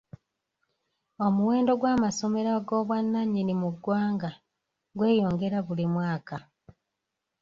Omuwendo gw'amasomero ag'obwannannyini mu ggwanga gweyongera buli mwaka.